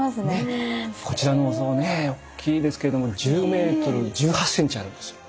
こちらのお像ね大きいですけども１０メートル１８センチあるんですよ。